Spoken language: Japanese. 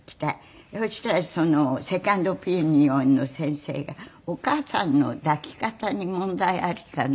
そしたらセカンドオピニオンの先生が「お母さんの抱き方に問題ありかな」